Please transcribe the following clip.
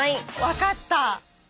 分かった！